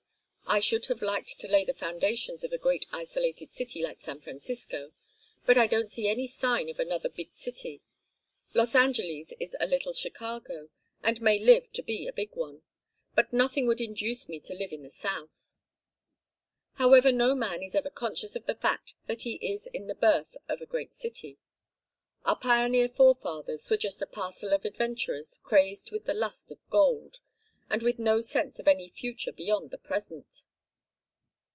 I should have liked to lay the foundations of a great isolated city like San Francisco; but I don't see any sign of another big city. Los Angeles is a little Chicago and may live to be a big one, but nothing would induce me to live in the south. However, no man is ever conscious of the fact that he is in at the birth of a great city; our pioneer forefathers were just a parcel of adventurers crazed with the lust of gold, and with no sense of any future beyond the present."